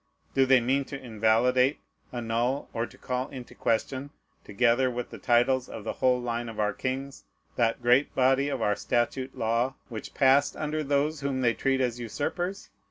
Do they mean to invalidate, annul, or to call into question, together with the titles of the whole line of our kings, that great body of our statute law which passed under those whom they treat as usurpers?